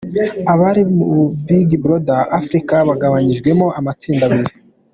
Abari muri Big Brother Africa bagabanyijwemo amatsinda abiri.